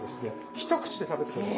一口で食べて下さい。